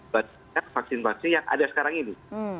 bandingkan vaksin vaksin yang ada sekarang ini